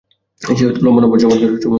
সে হয়তো লম্বা-লম্বা চমৎকার চিঠি পেয়েছে।